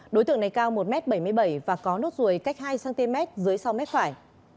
đối tượng này cao một m bảy mươi bảy và có nốt ruồi cách hai cm dưới sau mép phải